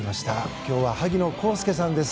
今日は萩野公介さんです。